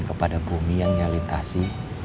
kepada bumi yang yalitasi